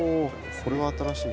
これは新しい。